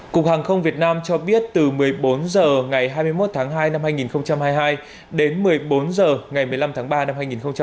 cục hàng không việt nam cho biết từ một mươi bốn h ngày hai mươi một tháng hai năm hai nghìn hai mươi hai đến một mươi bốn h ngày một mươi năm tháng ba năm hai nghìn hai mươi